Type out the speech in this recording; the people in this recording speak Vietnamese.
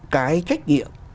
cái trách nhiệm